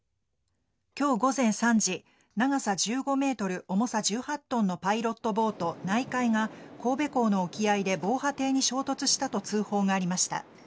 今日、午前３時長さ１５メートル重さ１８トンのパイロットボートないかいが神戸港の沖合で防波堤に衝突したと通報がありました。